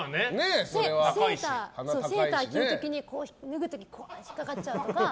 セーター着てる時に脱ぐ時、引っかかっちゃうとか。